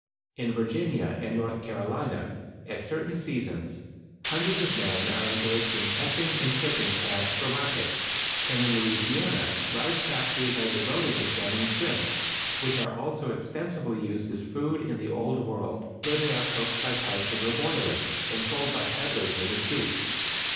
In Virginia and North Carolina, at certain seasons, hundreds of men are engaged in catching and shipping crabs for market, and in Louisiana large factories are devoted to canning shrimps, which are also extensively used as food in the Old World, where they are cooked by parching or boiling, and sold by peddlers in the streets.